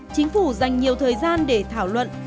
chính phủ dành nhiều thời gian để thảo luận